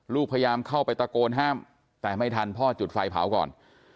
พยายามเข้าไปตะโกนห้ามแต่ไม่ทันพ่อจุดไฟเผาก่อน